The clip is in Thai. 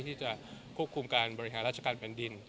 ที่จะควบคุมการบริหารราชการแผ่นดิน